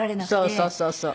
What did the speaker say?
そうそうそうそう。